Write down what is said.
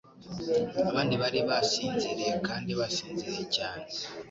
abandi bari basinziriye kandi basinziriye cyane